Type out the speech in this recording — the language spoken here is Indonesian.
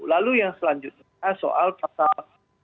lalu yang selanjutnya soal pasal